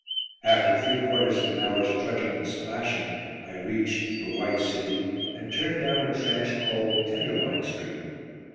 After three quarters of an hour's trudging and splashing I reached "The White City," and turned down a trench called "Tenderloin Street."